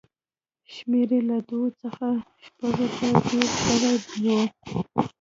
شمېر یې له دوو څخه شپږو ته ډېر شوی و